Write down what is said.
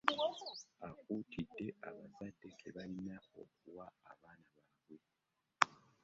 Akuutidde abakulembeze okubuulira abazadde kye balina okuwa abaana baabwe.